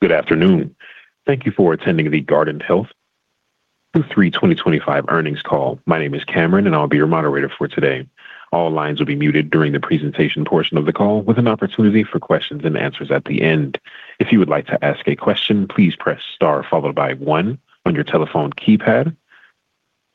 Good afternoon. Thank you for attending the Guardant Health Q3 2025 earnings call. My name is Cameron, and I'll be your moderator for today. All lines will be muted during the presentation portion of the call, with an opportunity for questions and answers at the end. If you would like to ask a question, please press star followed by one on your telephone keypad.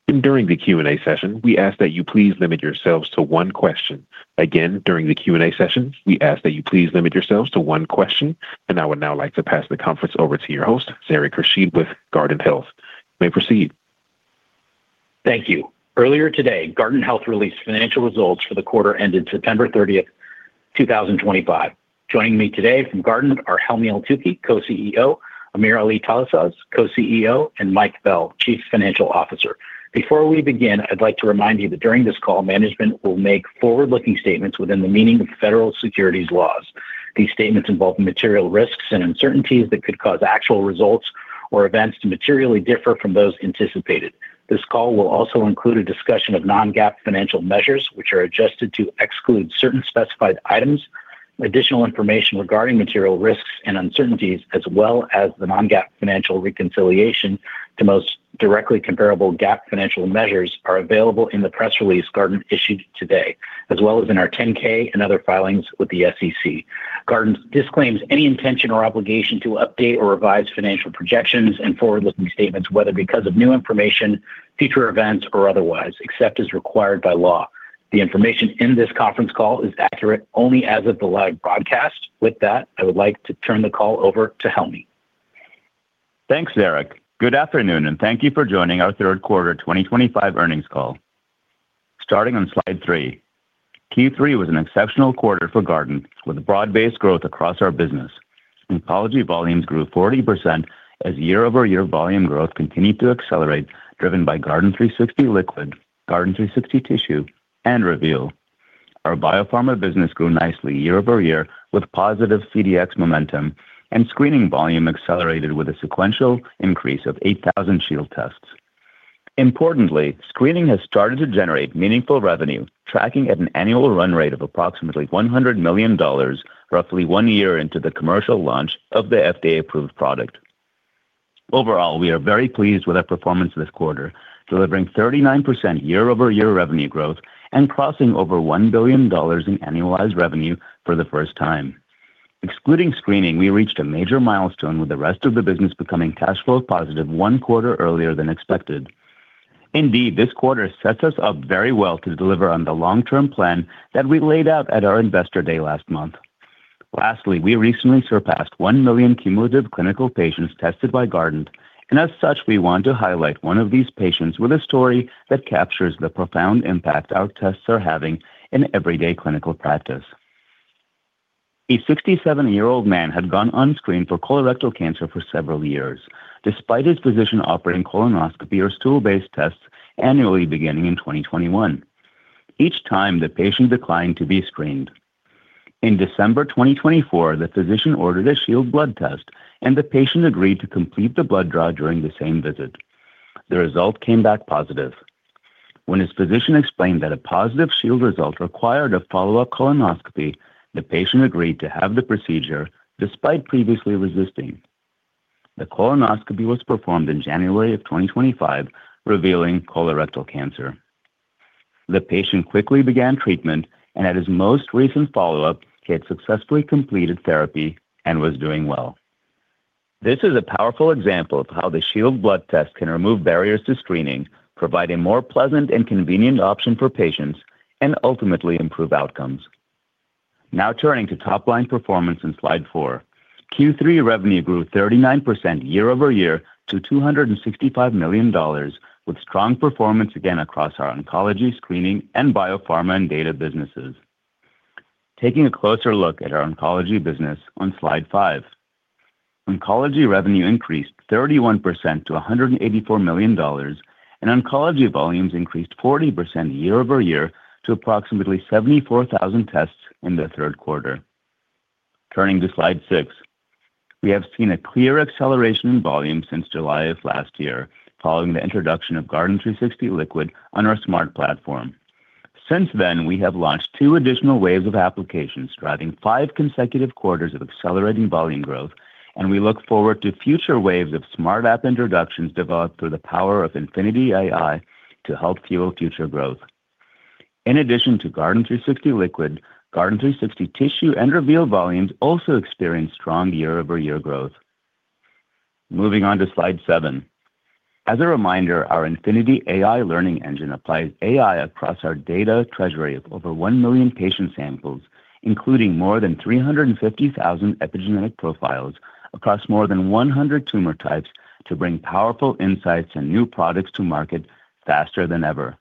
During the Q&A session, we ask that you please limit yourselves to one question. Again, during the Q&A session, we ask that you please limit yourselves to one question, and I would now like to pass the conference over to your host, Derek Bertocci, with Guardant Health. You may proceed. Thank you. Earlier today, Guardant Health released financial results for the quarter ended September 30, 2025. Joining me today from Guardant are Helmy Eltoukhy, Co-CEO, AmirAli Talasaz, Co-CEO, and Mike Bell, Chief Financial Officer. Before we begin, I'd like to remind you that during this call, management will make forward-looking statements within the meaning of federal securities laws. These statements involve material risks and uncertainties that could cause actual results or events to materially differ from those anticipated. This call will also include a discussion of non-GAAP financial measures, which are adjusted to exclude certain specified items. Additional information regarding material risks and uncertainties, as well as the non-GAAP financial reconciliation to most directly comparable GAAP financial measures, are available in the press release Guardant issued today, as well as in our 10-K and other filings with the SEC. Guardant disclaims any intention or obligation to update or revise financial projections and forward-looking statements, whether because of new information, future events, or otherwise, except as required by law. The information in this conference call is accurate only as of the live broadcast. With that, I would like to turn the call over to Helmy. Thanks, Derek. Good afternoon, and thank you for joining our third quarter 2025 earnings call. Starting on slide three, Q3 was an exceptional quarter for Guardant Health, with broad-based growth across our business. Technology volumes grew 40% as year-over-year volume growth continued to accelerate, driven by Guardant360 Liquid, Guardant360 Tissue, and Reveal. Our biopharma business grew nicely year over year with positive CDx momentum, and screening volume accelerated with a sequential increase of 8,000 Shield tests. Importantly, screening has started to generate meaningful revenue, tracking at an annual run rate of approximately $100 million, roughly one year into the commercial launch of the FDA-approved product. Overall, we are very pleased with our performance this quarter, delivering 39% year-over-year revenue growth and crossing over $1 billion in annualized revenue for the first time. Excluding screening, we reached a major milestone, with the rest of the business becoming cash flow positive one quarter earlier than expected. Indeed, this quarter sets us up very well to deliver on the long-term plan that we laid out at our investor day last month. Lastly, we recently surpassed 1 million cumulative clinical patients tested by Guardant Health, and as such, we want to highlight one of these patients with a story that captures the profound impact our tests are having in everyday clinical practice. A 67-year-old man had gone unscreened for colorectal cancer for several years, despite his physician offering colonoscopy or stool-based tests annually beginning in 2021. Each time, the patient declined to be screened. In December 2024, the physician ordered a Shield blood test, and the patient agreed to complete the blood draw during the same visit. The result came back positive. When his physician explained that a positive Shield result required a follow-up colonoscopy, the patient agreed to have the procedure despite previously resisting. The colonoscopy was performed in January of 2025, revealing colorectal cancer. The patient quickly began treatment, and at his most recent follow-up, he had successfully completed therapy and was doing well. This is a powerful example of how the Shield blood test can remove barriers to screening, provide a more pleasant and convenient option for patients, and ultimately improve outcomes. Now turning to top-line performance in slide four, Q3 revenue grew 39% year over year to $265 million, with strong performance again across our oncology, screening, and biopharma and data businesses. Taking a closer look at our oncology business on slide five, oncology revenue increased 31% to $184 million, and oncology volumes increased 40% year over year to approximately 74,000 tests in the third quarter. Turning to slide six, we have seen a clear acceleration in volume since July of last year, following the introduction of Guardant360 Liquid on our smart platform. Since then, we have launched two additional waves of applications, driving five consecutive quarters of accelerating volume growth, and we look forward to future waves of smart app introductions developed through the power of Infinity AI to help fuel future growth. In addition to Guardant360 Liquid, Guardant360 Tissue and Reveal volumes also experience strong year-over-year growth. Moving on to slide seven. As a reminder, our Infinity AI learning engine applies AI across our data treasury of over 1 million patient samples, including more than 350,000 epigenetic profiles across more than 100 tumor types, to bring powerful insights and new products to market faster than ever.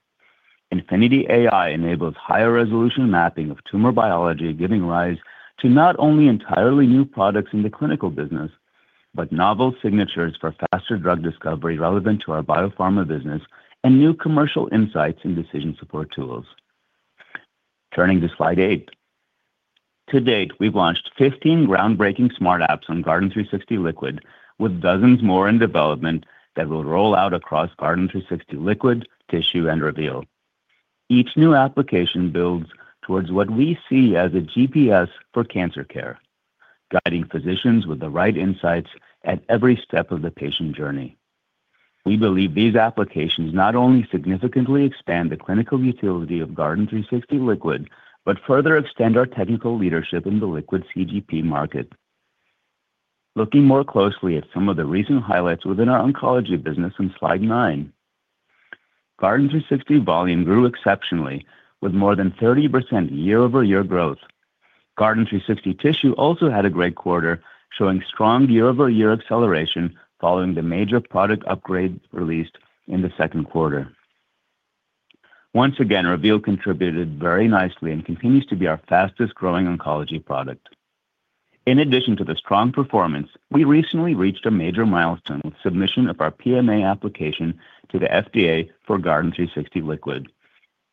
Infinity AI enables higher resolution mapping of tumor biology, giving rise to not only entirely new products in the clinical business, but novel signatures for faster drug discovery relevant to our biopharma business and new commercial insights and decision support tools. Turning to slide eight. To date, we've launched 15 groundbreaking smart apps on Guardant360 Liquid, with dozens more in development that will roll out across Guardant360 Liquid, Tissue, and Reveal. Each new application builds towards what we see as a GPS for cancer care, guiding physicians with the right insights at every step of the patient journey. We believe these applications not only significantly expand the clinical utility of Guardant360 Liquid, but further extend our technical leadership in the liquid CGP market. Looking more closely at some of the recent highlights within our oncology business on slide nine, Guardant360 volume grew exceptionally, with more than 30% year-over-year growth. Guardant360 Tissue also had a great quarter, showing strong year-over-year acceleration following the major product upgrade released in the second quarter. Once again, Reveal contributed very nicely and continues to be our fastest growing oncology product. In addition to the strong performance, we recently reached a major milestone with the submission of our PMA application to the FDA for Guardant360 Liquid.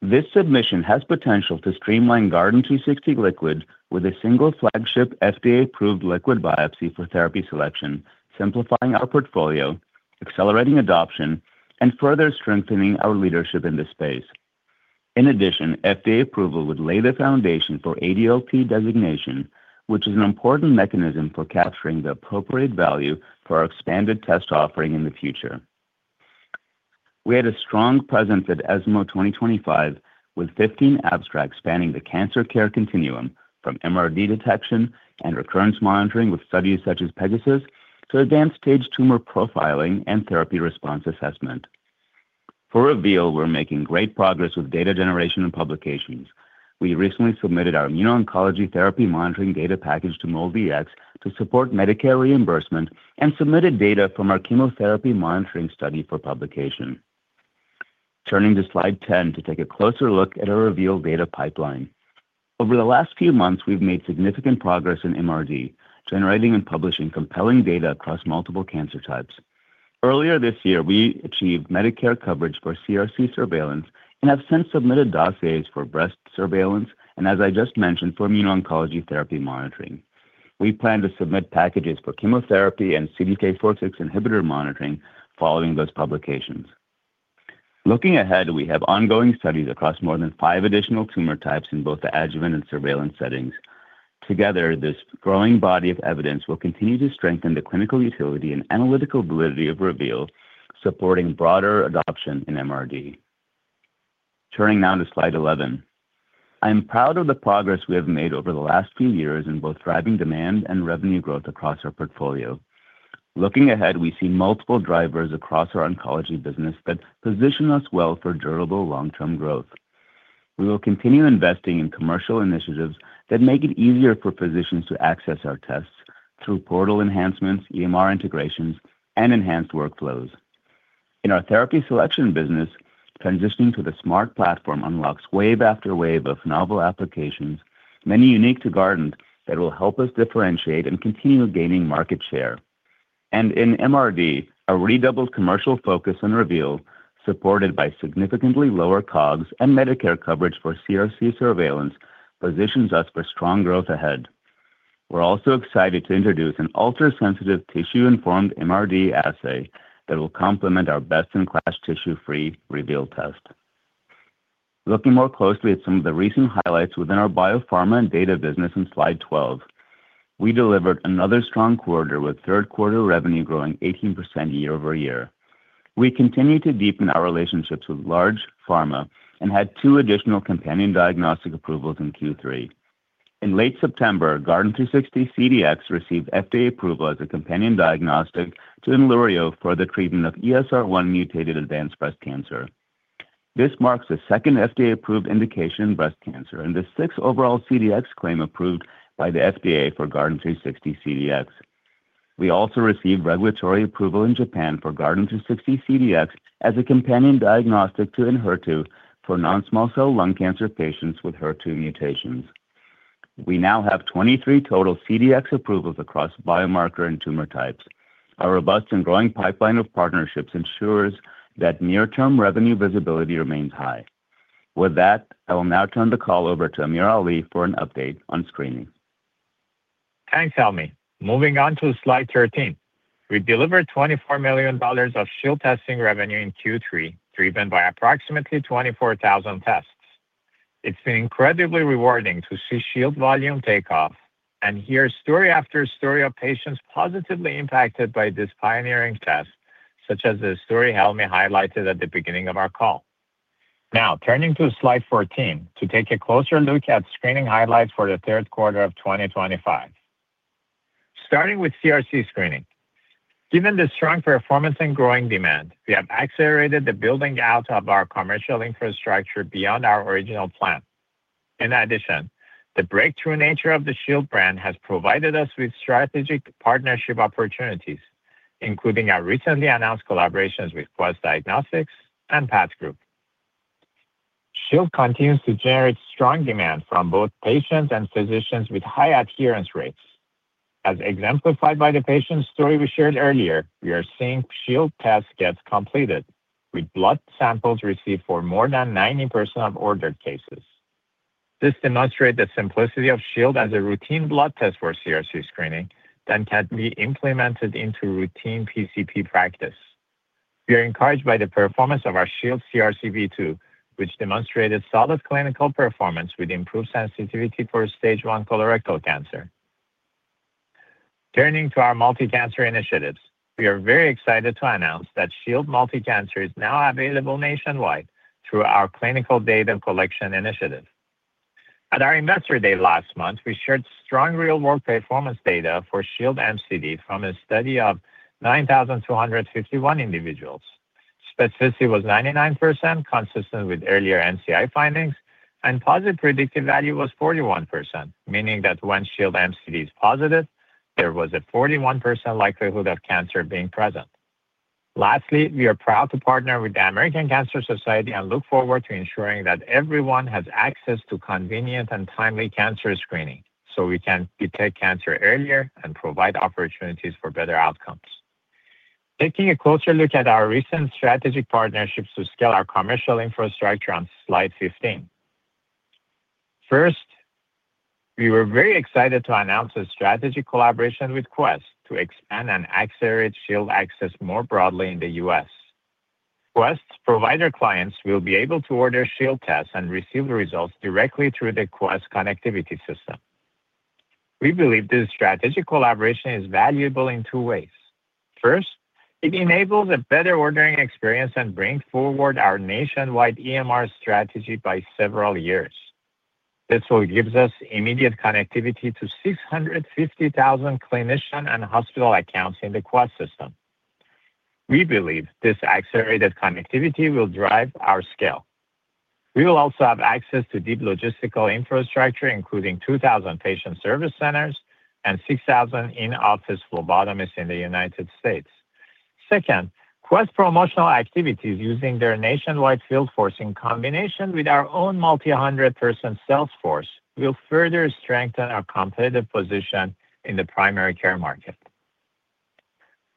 This submission has the potential to streamline Guardant360 Liquid with a single flagship FDA-approved liquid biopsy for therapy selection, simplifying our portfolio, accelerating adoption, and further strengthening our leadership in this space. In addition, FDA approval would lay the foundation for ADLT designation, which is an important mechanism for capturing the appropriate value for our expanded test offering in the future. We had a strong presence at ESMO 2025, with 15 abstracts spanning the cancer care continuum from MRD detection and recurrence monitoring with studies such as Pegasus to advanced stage tumor profiling and therapy response assessment. For Reveal, we're making great progress with data generation and publications. We recently submitted our immuno-oncology therapy monitoring data package to MolDX to support Medicare reimbursement and submitted data from our chemotherapy monitoring study for publication. Turning to slide 10 to take a closer look at our Reveal data pipeline. Over the last few months, we've made significant progress in MRD, generating and publishing compelling data across multiple cancer types. Earlier this year, we achieved Medicare coverage for CRC surveillance and have since submitted dossiers for breast surveillance and, as I just mentioned, for immuno-oncology therapy monitoring. We plan to submit packages for chemotherapy and CDK4/6 inhibitor monitoring following those publications. Looking ahead, we have ongoing studies across more than five additional tumor types in both the adjuvant and surveillance settings. Together, this growing body of evidence will continue to strengthen the clinical utility and analytical validity of Reveal, supporting broader adoption in MRD. Turning now to slide 11, I'm proud of the progress we have made over the last few years in both driving demand and revenue growth across our portfolio. Looking ahead, we see multiple drivers across our oncology business that position us well for durable long-term growth. We will continue investing in commercial initiatives that make it easier for physicians to access our tests through portal enhancements, EMR integrations, and enhanced workflows. In our therapy selection business, transitioning to the smart platform unlocks wave after wave of novel applications, many unique to Guardant, that will help us differentiate and continue gaining market share. In MRD, a redoubled commercial focus on Reveal, supported by significantly lower COGS and Medicare coverage for CRC surveillance, positions us for strong growth ahead. We're also excited to introduce an ultra-sensitive tissue-informed MRD assay that will complement our best-in-class tissue-free Reveal test. Looking more closely at some of the recent highlights within our biopharma and data business on slide 12, we delivered another strong quarter with third-quarter revenue growing 18% year over year. We continue to deepen our relationships with large pharma and had two additional companion diagnostic approvals in Q3. In late September, Guardant360 CDx received FDA approval as a companion diagnostic to Enluro for the treatment of ESR1 mutated advanced breast cancer. This marks the second FDA-approved indication in breast cancer and the sixth overall CDx claim approved by the FDA for Guardant360 CDx. We also received regulatory approval in Japan for Guardant360 CDx as a companion diagnostic to Enhertu for non-small cell lung cancer patients with HER2 mutations. We now have 23 total CDx approvals across biomarker and tumor types. Our robust and growing pipeline of partnerships ensures that near-term revenue visibility remains high. With that, I will now turn the call over to AmirAli for an update on screening. Thanks, Helmy. Moving on to slide 13, we delivered $24 million of Shield testing revenue in Q3, driven by approximately 24,000 tests. It's been incredibly rewarding to see Shield volume take off and hear story after story of patients positively impacted by this pioneering test, such as the story Helmy highlighted at the beginning of our call. Now, turning to slide 14 to take a closer look at screening highlights for the third quarter of 2025. Starting with CRC screening, given the strong performance and growing demand, we have accelerated the building out of our commercial infrastructure beyond our original plan. In addition, the breakthrough nature of the Shield brand has provided us with strategic partnership opportunities, including our recently announced collaborations with Quest Diagnostics and Path Group. Shield continues to generate strong demand from both patients and physicians with high adherence rates. As exemplified by the patient's story we shared earlier, we are seeing Shield tests get completed with blood samples received for more than 90% of ordered cases. This demonstrates the simplicity of Shield as a routine blood test for CRC screening that can be implemented into routine PCP practice. We are encouraged by the performance of our Shield CRC V2, which demonstrated solid clinical performance with improved sensitivity for stage I colorectal cancer. Turning to our multicancer initiatives, we are very excited to announce that Shield Multicancer is now available nationwide through our clinical data collection initiative. At our investor day last month, we shared strong real-world performance data for Shield MCD from a study of 9,251 individuals. Specificity was 99%, consistent with earlier NCI findings, and positive predictive value was 41%, meaning that when Shield MCD is positive, there was a 41% likelihood of cancer being present. Lastly, we are proud to partner with the American Cancer Society and look forward to ensuring that everyone has access to convenient and timely cancer screening so we can detect cancer earlier and provide opportunities for better outcomes. Taking a closer look at our recent strategic partnerships to scale our commercial infrastructure on slide 15. First, we were very excited to announce a strategic collaboration with Quest to expand and accelerate Shield access more broadly in the U.S. Quest's provider clients will be able to order Shield tests and receive results directly through the Quest connectivity system. We believe this strategic collaboration is valuable in two ways. First, it enables a better ordering experience and brings forward our nationwide EMR strategy by several years. This will give us immediate connectivity to 650,000 clinician and hospital accounts in the Quest system. We believe this accelerated connectivity will drive our scale. We will also have access to deep logistical infrastructure, including 2,000 patient service centers and 6,000 in-office phlebotomists in the United States. Second, Quest's promotional activities using their nationwide field force, in combination with our own multi-hundred-person sales force, will further strengthen our competitive position in the primary care market.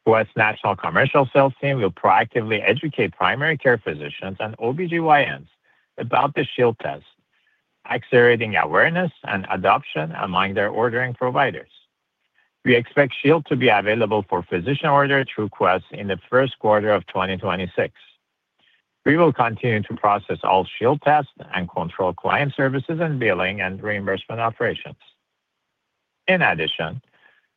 Quest's national commercial sales team will proactively educate primary care physicians and OBGYNs about the Shield test, accelerating awareness and adoption among their ordering providers. We expect Shield to be available for physician order through Quest in the first quarter of 2026. We will continue to process all Shield tests and control client services and billing and reimbursement operations. In addition,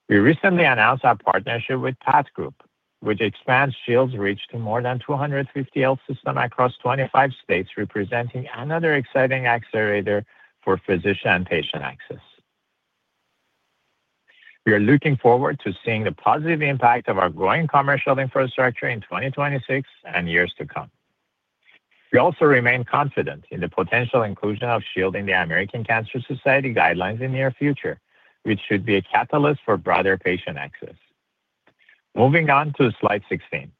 we recently announced our partnership with Path Group, which expands Shield's reach to more than 250 health systems across 25 states, representing another exciting accelerator for physician and patient access. We are looking forward to seeing the positive impact of our growing commercial infrastructure in 2026 and years to come. We also remain confident in the potential inclusion of Shield in the American Cancer Society guidelines in the near future, which should be a catalyst for broader patient access. Moving on to slide 16,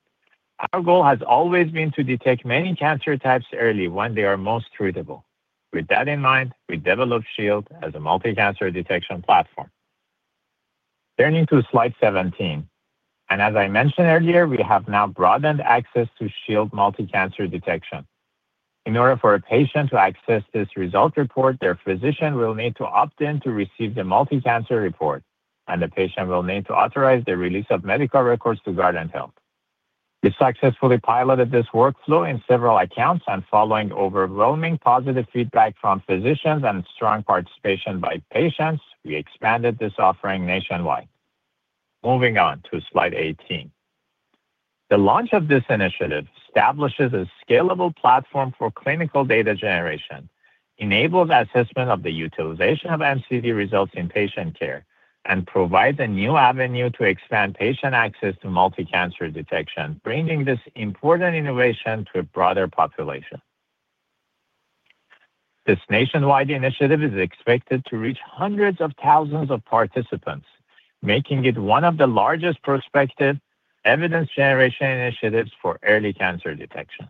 our goal has always been to detect many cancer types early when they are most treatable. With that in mind, we developed Shield as a multicancer detection platform. Turning to slide 17, and as I mentioned earlier, we have now broadened access to Shield multicancer detection. In order for a patient to access this result report, their physician will need to opt in to receive the multicancer report, and the patient will need to authorize the release of medical records to Guardant Health. We successfully piloted this workflow in several accounts, and following overwhelming positive feedback from physicians and strong participation by patients, we expanded this offering nationwide. Moving on to slide 18, the launch of this initiative establishes a scalable platform for clinical data generation, enables assessment of the utilization of MCD results in patient care, and provides a new avenue to expand patient access to multicancer detection, bringing this important innovation to a broader population. This nationwide initiative is expected to reach hundreds of thousands of participants, making it one of the largest prospective evidence generation initiatives for early cancer detection.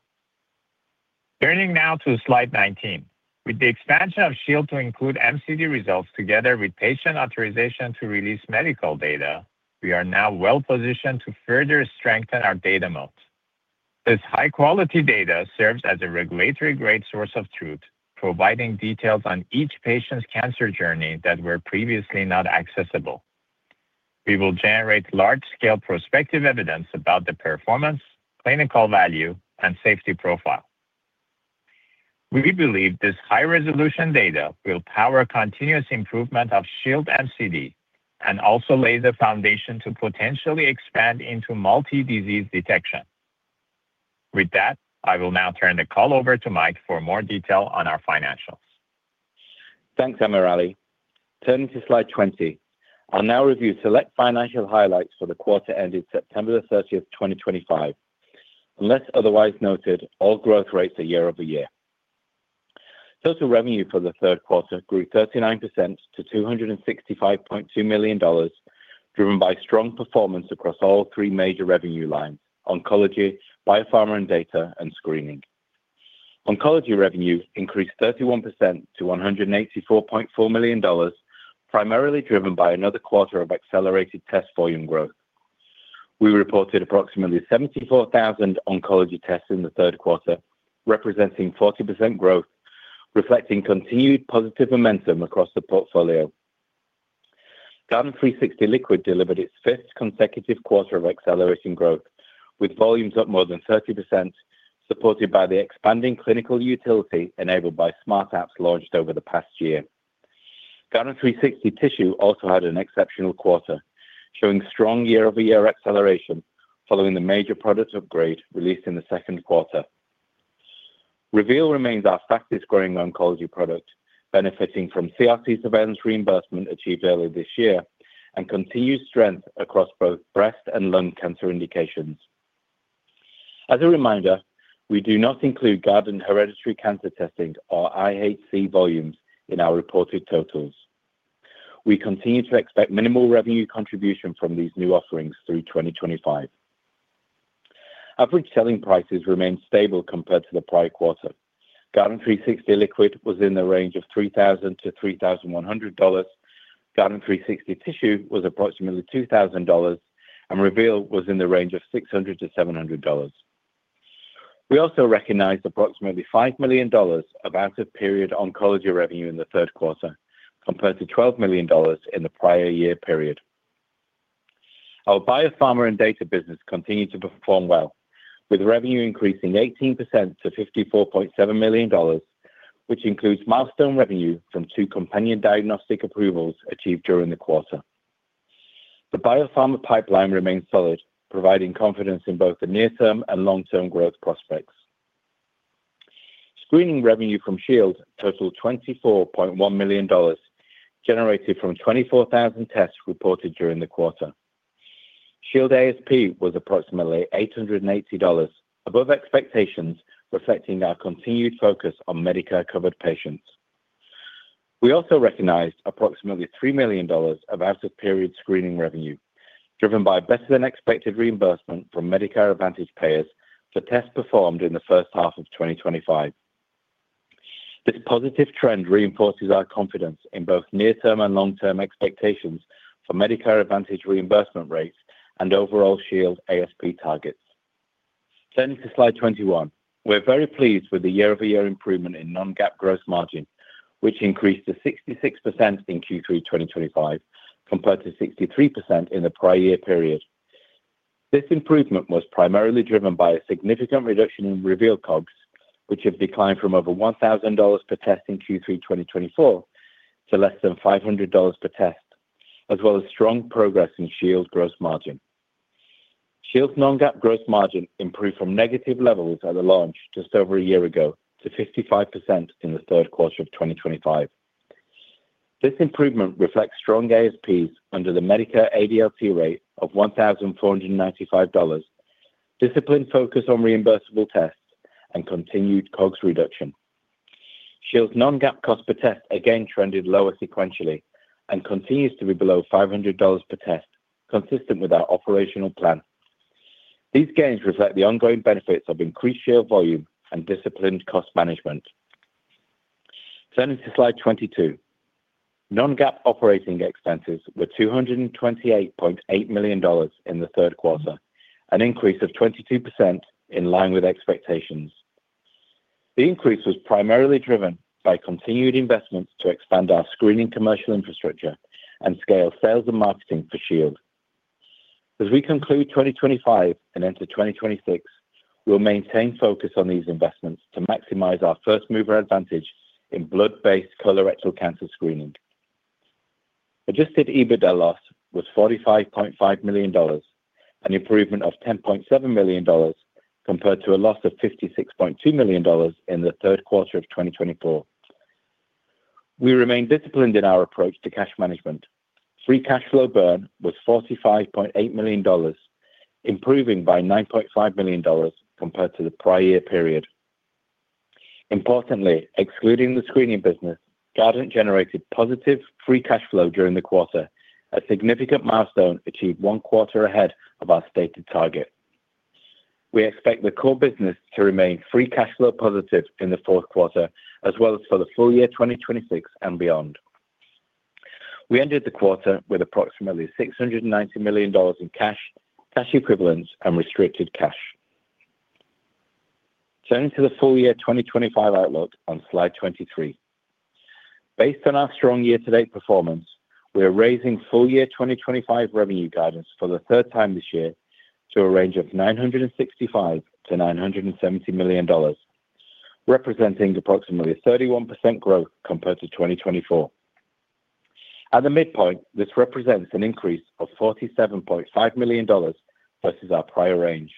Turning now to slide 19, with the expansion of Shield to include MCD results together with patient authorization to release medical data, we are now well positioned to further strengthen our data modes. This high-quality data serves as a regulatory-grade source of truth, providing details on each patient's cancer journey that were previously not accessible. We will generate large-scale prospective evidence about the performance, clinical value, and safety profile. We believe this high-resolution data will power continuous improvement of Shield MCD and also lay the foundation to potentially expand into multi-disease detection. With that, I will now turn the call over to Mike for more detail on our financials. Thanks, AmirAli. Turning to slide 20, I'll now review select financial highlights for the quarter ended September 30, 2025. Unless otherwise noted, all growth rates are year over year. Total revenue for the third quarter grew 39% to $265.2 million, driven by strong performance across all three major revenue lines: oncology, biopharma and data, and screening. Oncology revenue increased 31% to $184.4 million, primarily driven by another quarter of accelerated test volume growth. We reported approximately 74,000 oncology tests in the third quarter, representing 40% growth, reflecting continued positive momentum across the portfolio. Guardant360 Liquid delivered its fifth consecutive quarter of accelerating growth, with volumes up more than 30%, supported by the expanding clinical utility enabled by smart apps launched over the past year. Guardant360 Tissue also had an exceptional quarter, showing strong year-over-year acceleration following the major product upgrade released in the second quarter. Reveal remains our fastest growing oncology product, benefiting from CRC surveillance reimbursement achieved early this year and continued strength across both breast and lung cancer indications. As a reminder, we do not include Guardant hereditary cancer testing or IHC volumes in our reported totals. We continue to expect minimal revenue contribution from these new offerings through 2025. Average selling prices remain stable compared to the prior quarter. Guardant360 Liquid was in the range of $3,000-$3,100. Guardant360 Tissue was approximately $2,000, and Reveal was in the range of $600 to $700. We also recognized approximately $5 million of out-of-period oncology revenue in the third quarter, compared to $12 million in the prior year period. Our biopharma and data business continued to perform well, with revenue increasing 18% to $54.7 million, which includes milestone revenue from two companion diagnostic approvals achieved during the quarter. The biopharma pipeline remains solid, providing confidence in both the near-term and long-term growth prospects. Screening revenue from Shield totaled $24.1 million, generated from 24,000 tests reported during the quarter. Shield ASP was approximately $880 above expectations, reflecting our continued focus on Medicare-covered patients. We also recognized approximately $3 million of out-of-period screening revenue, driven by better-than-expected reimbursement from Medicare Advantage payers for tests performed in the first half of 2025. This positive trend reinforces our confidence in both near-term and long-term expectations for Medicare Advantage reimbursement rates and overall Shield ASP targets. Turning to slide 21, we're very pleased with the year-over-year improvement in non-GAAP gross margin, which increased to 66% in Q3 2025, compared to 63% in the prior year period. This improvement was primarily driven by a significant reduction in Reveal COGS, which have declined from over $1,000 per test in Q3 2024 to less than $500 per test, as well as strong progress in Shield gross margin. Shield's non-GAAP gross margin improved from negative levels at the launch just over a year ago to 55% in the third quarter of 2025. This improvement reflects strong ASPs under the Medicare ADLT rate of $1,495, disciplined focus on reimbursable tests, and continued COGS reduction. Shield's non-GAAP cost per test again trended lower sequentially and continues to be below $500 per test, consistent with our operational plan. These gains reflect the ongoing benefits of increased Shield volume and disciplined cost management. Turning to slide 22, non-GAAP operating expenses were $228.8 million in the third quarter, an increase of 22% in line with expectations. The increase was primarily driven by continued investments to expand our screening commercial infrastructure and scale sales and marketing for Shield. As we conclude 2025 and enter 2026, we'll maintain focus on these investments to maximize our first mover advantage in blood-based colorectal cancer screening. Adjusted EBITDA loss was $45.5 million, an improvement of $10.7 million compared to a loss of $56.2 million in the third quarter of 2024. We remain disciplined in our approach to cash management. Free cash flow burn was $45.8 million, improving by $9.5 million compared to the prior year period. Importantly, excluding the screening business, Guardant Health generated positive free cash flow during the quarter, a significant milestone achieved one quarter ahead of our stated target. We expect the core business to remain free cash flow positive in the fourth quarter, as well as for the full year 2026 and beyond. We ended the quarter with approximately $690 million in cash, cash equivalents, and restricted cash. Turning to the full year 2025 outlook on slide 23. Based on our strong year-to-date performance, we are raising full year 2025 revenue guidance for the third time this year to a range of $965-$970 million, representing approximately a 31% growth compared to 2024. At the midpoint, this represents an increase of $47.5 million versus our prior range.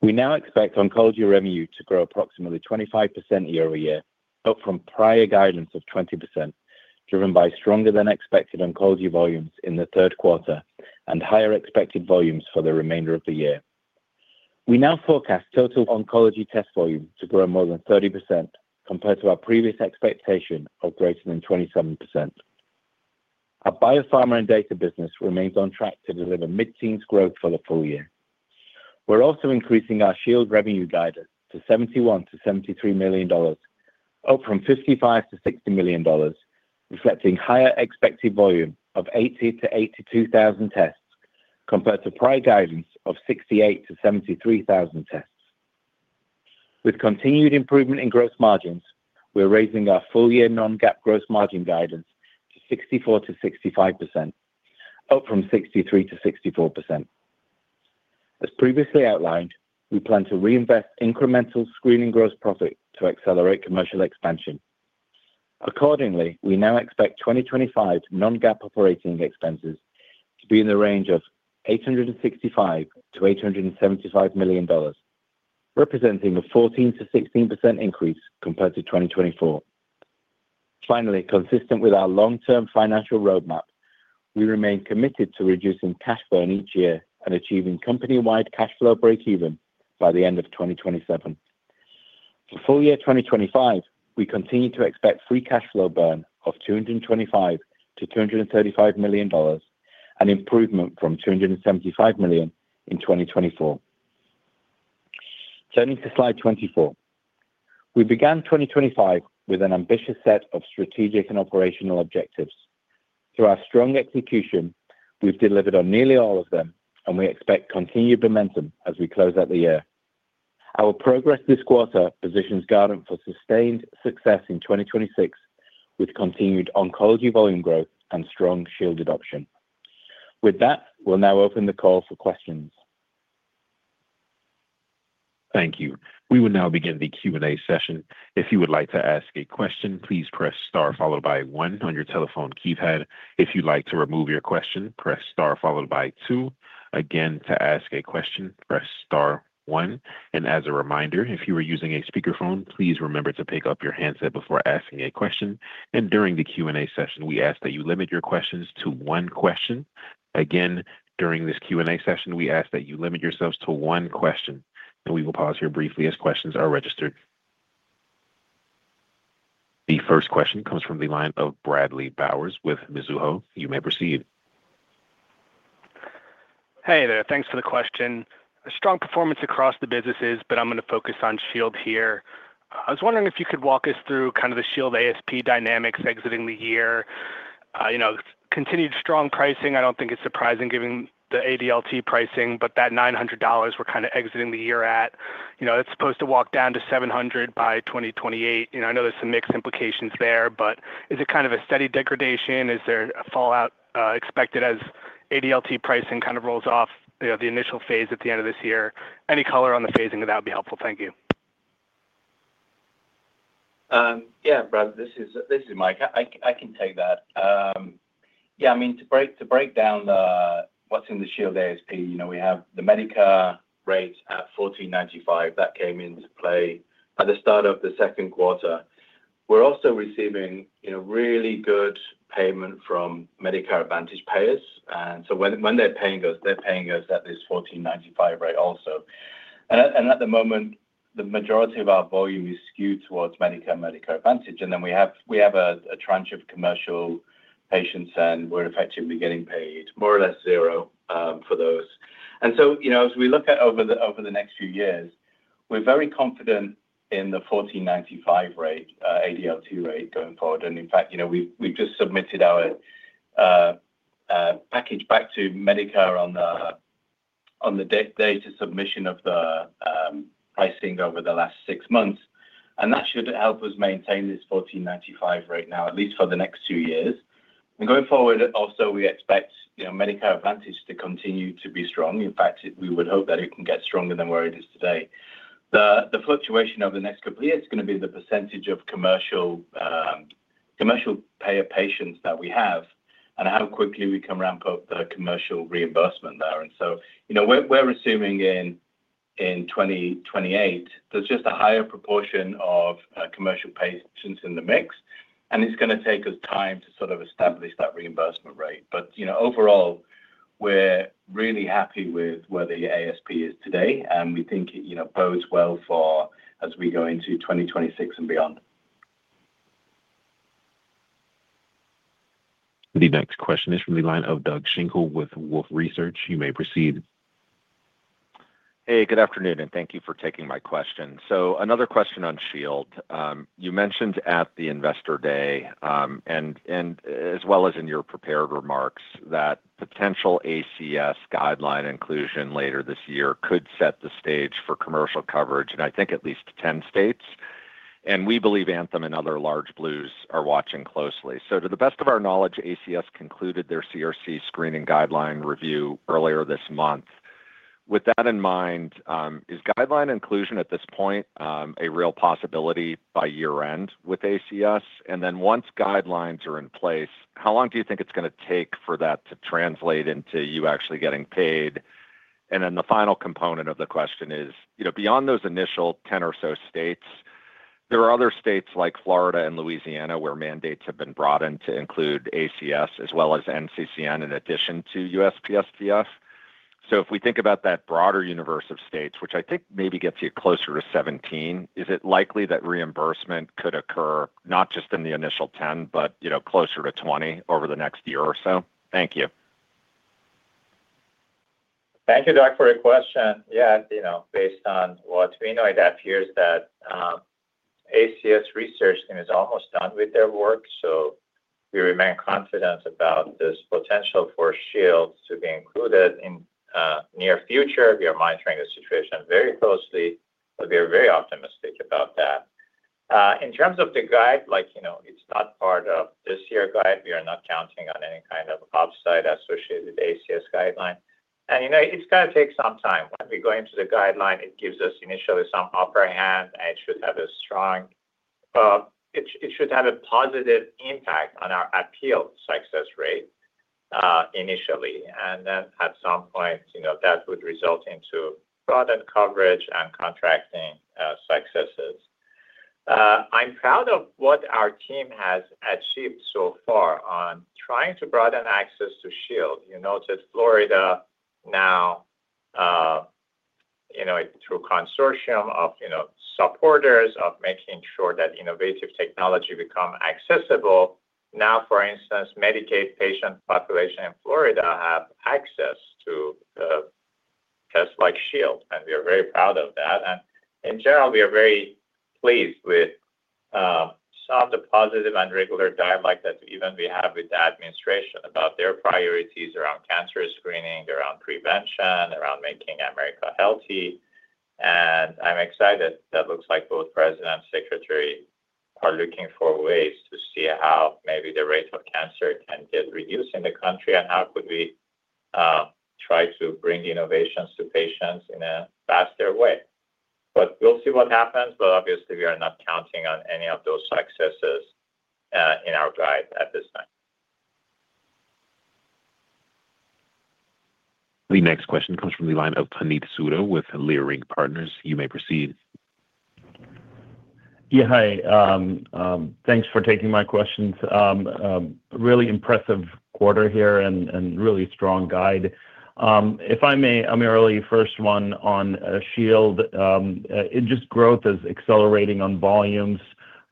We now expect oncology revenue to grow approximately 25% year over year, up from prior guidance of 20%, driven by stronger than expected oncology volumes in the third quarter and higher expected volumes for the remainder of the year. We now forecast total oncology test volume to grow more than 30% compared to our previous expectation of greater than 27%. Our biopharma and data business remains on track to deliver mid-teens growth for the full year. We're also increasing our Shield revenue guidance to $71 million-$73 million, up from $55 million-$60 million, reflecting higher expected volume of 80,000 tests-82,000 tests compared to prior guidance of 68,000 tests-73,000 tests. With continued improvement in gross margins, we're raising our full year non-GAAP gross margin guidance to 64%-65%, up from 63%-64%. As previously outlined, we plan to reinvest incremental screening gross profit to accelerate commercial expansion. Accordingly, we now expect 2025 non-GAAP operating expenses to be in the range of $865 million-$875 million, representing a 14%-16% increase compared to 2024. Finally, consistent with our long-term financial roadmap, we remain committed to reducing cash burn each year and achieving company-wide cash flow breakeven by the end of 2027. For full year 2025, we continue to expect free cash flow burn of $225 million-$235 million and improvement from $275 million in 2024. Turning to slide 24, we began 2025 with an ambitious set of strategic and operational objectives. Through our strong execution, we've delivered on nearly all of them, and we expect continued momentum as we close out the year. Our progress this quarter positions Guardant Health for sustained success in 2026, with continued oncology volume growth and strong Shield adoption. With that, we'll now open the call for questions. Thank you. We will now begin the Q&A session. If you would like to ask a question, please press star followed by one on your telephone keypad. If you'd like to remove your question, press star followed by two. Again, to ask a question, press star one. As a reminder, if you are using a speakerphone, please remember to pick up your handset before asking a question. During the Q&A session, we ask that you limit your questions to one question. Again, during this Q&A session, we ask that you limit yourselves to one question. We will pause here briefly as questions are registered. The first question comes from the line of Bradley Bowers with Mizuho. You may proceed. Hey there. Thanks for the question. A strong performance across the businesses, but I'm going to focus on Shield here. I was wondering if you could walk us through kind of the Shield ASP dynamics exiting the year. You know, continued strong pricing. I don't think it's surprising given the ADLT pricing, but that $900 we're kind of exiting the year at. You know, it's supposed to walk down to $700 by 2028. I know there's some mixed implications there, but is it kind of a steady degradation? Is there a fallout expected as ADLT pricing kind of rolls off the initial phase at the end of this year? Any color on the phasing of that would be helpful. Thank you. Yeah, Brad, this is Mike. I can take that. Yeah, I mean, to break down what's in the Shield ASP, we have the Medicare rates at $1,495 that came into play at the start of the second quarter. We're also receiving really good payment from Medicare Advantage payers. When they're paying us, they're paying us at this $1,495 rate also. At the moment, the majority of our volume is skewed towards Medicare and Medicare Advantage. We have a tranche of commercial patients, and we're effectively getting paid more or less zero for those. As we look at over the next few years, we're very confident in the $1,495 ADLT rate going forward. In fact, we've just submitted our package back to Medicare on the data submission of the pricing over the last six months. That should help us maintain this $1,495 rate now, at least for the next two years. Going forward, we expect Medicare Advantage to continue to be strong. In fact, we would hope that it can get stronger than where it is today. The fluctuation over the next couple of years is going to be the percentage of commercial payer patients that we have and how quickly we can ramp up the commercial reimbursement there. We're assuming in 2028, there's just a higher proportion of commercial patients in the mix, and it's going to take us time to sort of establish that reimbursement rate. Overall, we're really happy with where the ASP is today, and we think it bodes well for as we go into 2026 and beyond. The next question is from the line of Doug Schenkel with Wolfe Research. You may proceed. Hey, good afternoon, and thank you for taking my question. Another question on Shield. You mentioned at the investor day, as well as in your prepared remarks, that potential American Cancer Society guideline inclusion later this year could set the stage for commercial coverage in, I think, at least 10 states. We believe Anthem and other large blues are watching closely. To the best of our knowledge, the American Cancer Society concluded their CRC screening guideline review earlier this month. With that in mind, is guideline inclusion at this point a real possibility by year-end with the American Cancer Society? Once guidelines are in place, how long do you think it's going to take for that to translate into you actually getting paid? The final component of the question is, beyond those initial 10 or so states, there are other states like Florida and Louisiana where mandates have been brought in to include the American Cancer Society as well as NCCN in addition to USPSDF. If we think about that broader universe of states, which I think maybe gets you closer to 17, is it likely that reimbursement could occur not just in the initial 10, but closer to 20 over the next year or so? Thank you. Thank you, Doug, for your question. Yeah, you know, based on what we know, it appears that the American Cancer Society research team is almost done with their work. We remain confident about this potential for Shield to be included in the near future. We are monitoring the situation very closely, and we are very optimistic about that. In terms of the guide, like, you know, it's not part of this year guide. We are not counting on any kind of upside associated with the American Cancer Society guideline, and you know, it's going to take some time. When we go into the guideline, it gives us initially some upper hand, and it should have a strong, well, it should have a positive impact on our appeal success rate initially. At some point, you know, that would result in broadened coverage and contracting successes. I'm proud of what our team has achieved so far on trying to broaden access to Shield. You noticed Florida now, you know, through a consortium of supporters of making sure that innovative technology becomes accessible. For instance, Medicaid patient population in Florida have access to tests like Shield, and we are very proud of that. In general, we are very pleased with some of the positive and regular dialogue that even we have with the administration about their priorities around cancer screening, around prevention, around making America healthy. I'm excited that it looks like both President and Secretary are looking for ways to see how maybe the rate of cancer can get reduced in the country and how we could try to bring innovations to patients in a faster way. We'll see what happens. Obviously, we are not counting on any of those successes in our guide at this time. The next question comes from the line of Puneet Souda with Leerink Partners. You may proceed. Yeah, hi. Thanks for taking my questions. Really impressive quarter here and really strong guide. If I may, AmirAli, first one on Shield. Growth is accelerating on volumes,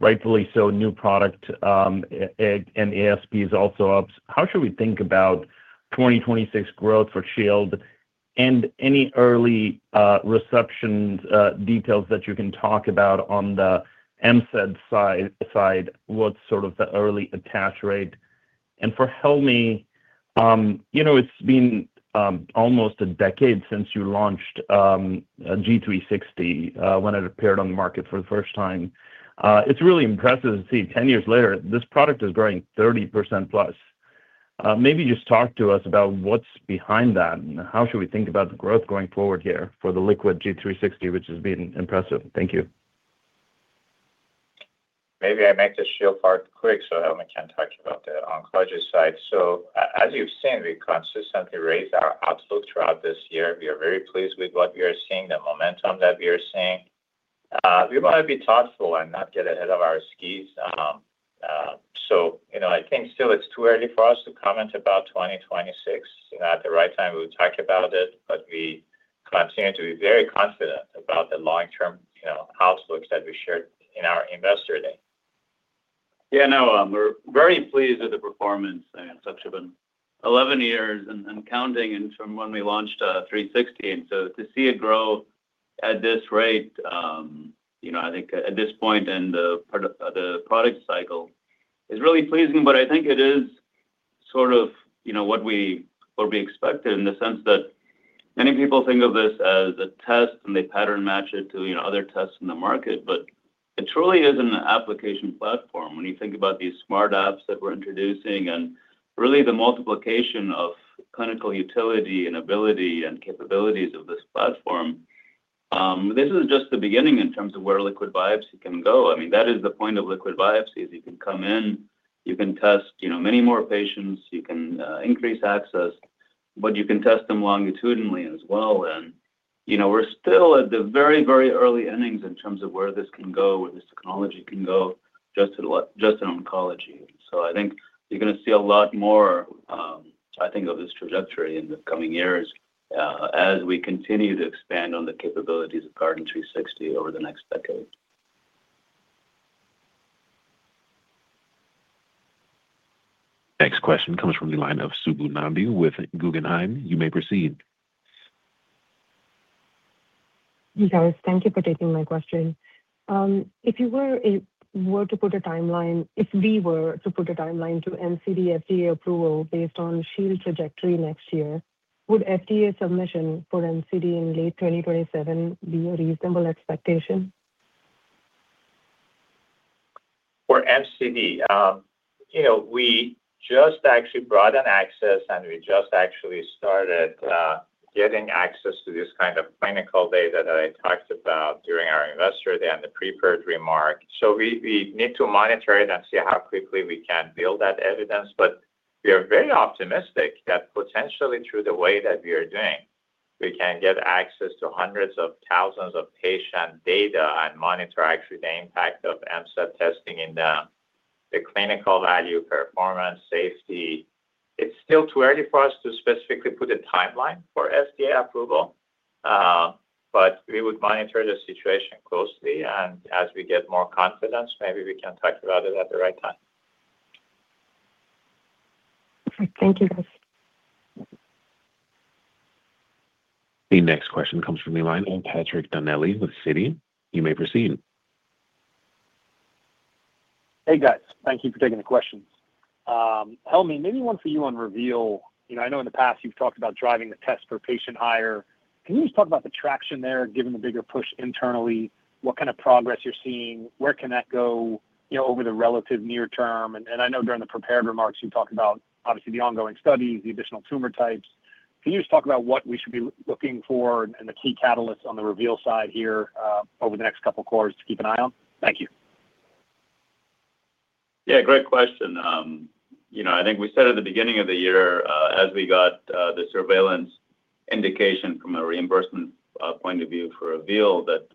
rightfully so. New product and ASP is also up. How should we think about 2026 growth for Shield and any early reception details that you can talk about on the MSED side, what's sort of the early attach rate? For Helmy, you know, it's been almost a decade since you launched G360 when it appeared on the market for the first time. It's really impressive to see 10 years later, this product is growing 30% plus. Maybe just talk to us about what's behind that and how should we think about the growth going forward here for the Liquid G360, which has been impressive. Thank you. Maybe I make the Shield part quick so Helmy can talk about the oncology side. As you've seen, we consistently raise our outlook throughout this year. We are very pleased with what we are seeing, the momentum that we are seeing. We want to be thoughtful and not get ahead of our skis. I think still it's too early for us to comment about 2026. At the right time, we would talk about it, but we continue to be very confident about the long-term outlook that we shared in our investor day. Yeah, no, we're very pleased with the performance in such 11 years and counting from when we launched Guardant360. To see it grow at this rate, I think at this point in the product cycle is really pleasing. I think it is sort of what we expected in the sense that many people think of this as a test and they pattern match it to other tests in the market. It truly is an application platform. When you think about these smart apps that we're introducing and really the multiplication of clinical utility and ability and capabilities of this platform, this is just the beginning in terms of where liquid biopsy can go. That is the point of liquid biopsies. You can come in, you can test many more patients, you can increase access, but you can test them longitudinally as well. We're still at the very, very early innings in terms of where this can go, where this technology can go just in oncology. I think you're going to see a lot more of this trajectory in the coming years as we continue to expand on the capabilities of Guardant360 over the next decade. Next question comes from the line of Subbu Nambi with Guggenheim. You may proceed. Thank you for taking my question. If you were to put a timeline, if we were to put a timeline to MCD FDA approval based on Shield trajectory next year, would FDA submission for MCD in late 2027 be a reasonable expectation? For Shield MCD, we just actually brought in access and we just actually started getting access to this kind of clinical data that I talked about during our investor day and the pre-approved remark. We need to monitor it and see how quickly we can build that evidence. We are very optimistic that potentially through the way that we are doing, we can get access to hundreds of thousands of patient data and monitor actually the impact of Shield MCD testing in the clinical value, performance, safety. It's still too early for us to specifically put a timeline for FDA approval. We would monitor the situation closely, and as we get more confidence, maybe we can talk about it at the right time. Thank you, guys. The next question comes from the line of Patrick Donnelly with Citi. You may proceed. Hey, guys. Thank you for taking the questions. Helmy, maybe one for you on Reveal. I know in the past you've talked about driving the test per patient higher. Can you just talk about the traction there, given the bigger push internally? What kind of progress you're seeing? Where can that go over the relative near term? I know during the prepared remarks you talked about, obviously, the ongoing studies, the additional tumor types. Can you just talk about what we should be looking for and the key catalysts on the Reveal side here over the next couple of quarters to keep an eye on? Thank you. Yeah, great question. I think we said at the beginning of the year, as we got the surveillance indication from a reimbursement point of view for Reveal, that